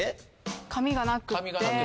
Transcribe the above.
髪がなくって。